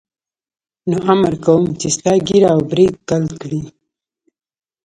نو امر کوم چې ستا ږیره او برېت کل کړي.